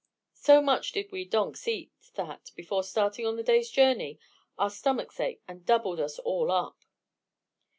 So much did we donks eat that, before starting on the day's journey, our stomachs ached and doubled us all up.